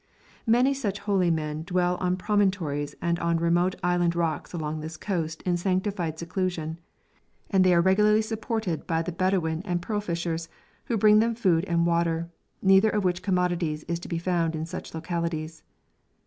Many such holy men dwell on promontories and on remote island rocks along this coast in sanctified seclusion, and they are regularly supported by the Bedouin and pearl fishers, who bring them food and water, neither of which commodities is to be found in such localities.